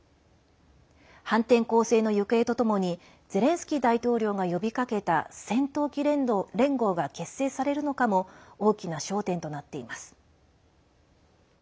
反転攻勢の行方とともにゼレンスキー大統領が呼びかけた戦闘機連合が結成されるのかも大きな焦点となっています。